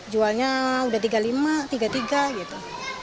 jualnya udah tiga puluh lima tiga puluh tiga gitu